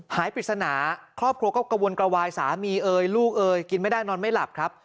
ปริศนาครอบครัวก็กระวนกระวายสามีเอ่ยลูกเอ่ยกินไม่ได้นอนไม่หลับครับ